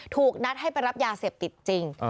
ถูกนัดให้ไปรับยาเสพติดจริง